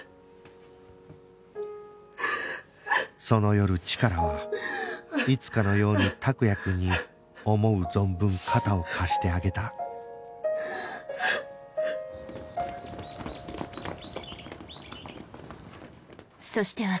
その夜チカラはいつかのように託也くんに思う存分肩を貸してあげた